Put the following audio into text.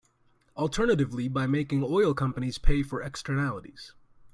Alternatively, by making oil companies pay for externalities.